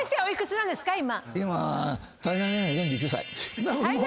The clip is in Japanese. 今。